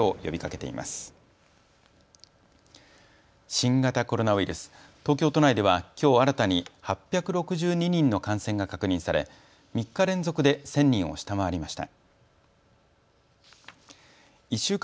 新型コロナウイルス、東京都内ではきょう新たに８６２人の感染が確認され３日連続で１０００人を下回りました。